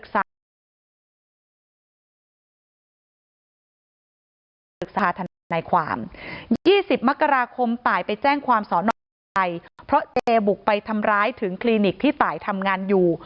ศึกษาธนาความ๒๐มกราคมตายไปแจ้งความสนใจเพราะเจมส์บุกไปทำร้ายถึงคลินิกที่ตายทำงานอยู่